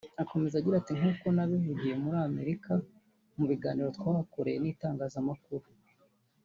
Akomeza agira ati « Nk’uko nabivugiye muri Amerika mu biganiro twahakoreye n’itangazamakuru